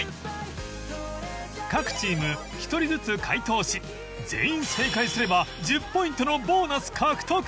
各チーム１人ずつ解答し全員正解すれば１０ポイントのボーナス獲得！